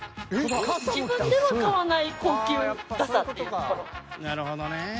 なるほどね。